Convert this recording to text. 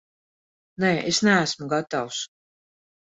Nē, es neesmu gatavs.